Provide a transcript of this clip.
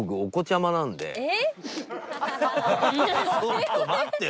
ちょっと待ってよ！